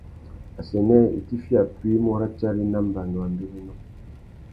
Assênē itifiya puï i mú ratiari nà mbanu râ mbérénô.